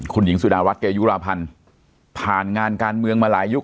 คุณหญิงสุดารัฐเกยุราพันธ์ผ่านงานการเมืองมาหลายยุค